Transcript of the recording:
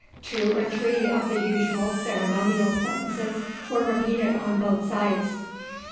Two or three of the usual ceremonial sentences were repeated on both sides.